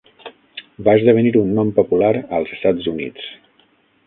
Va esdevenir un nom popular als Estats Units.